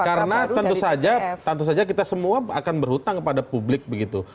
karena tentu saja kita semua akan berhutang kepada publik begitu